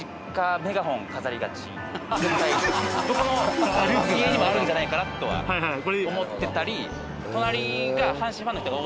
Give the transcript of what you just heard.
どこの家にもあるんじゃないかなとは思ってたり。